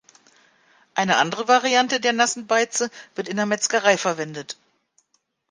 Eine andere Variante der nassen Beize wird in der Metzgerei verwendet.